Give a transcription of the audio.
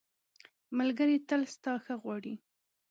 ملګری تل ستا ښه غواړي.